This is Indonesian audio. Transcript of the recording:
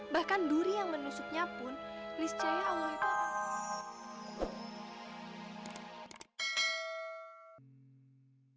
bahkan duri yang menusuknya pun